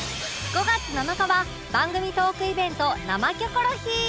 ５月７日は番組トークイベント「生キョコロヒー」！